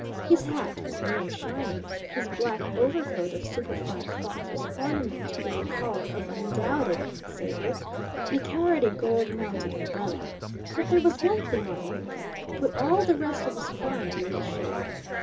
His hat was new and shining, his black overcoat of superfine cloth was ornamented with a collar of undoubted sable; he carried a gold mounted umbrella. But there was one thing on him that put all the rest of his finery in the shade.